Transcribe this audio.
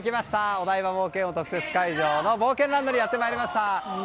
お台場冒険王特設会場の冒険ランドにやってまいりました。